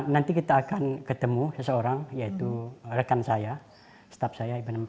nanti kita akan ketemu seseorang yaitu rekan saya staff saya iban empat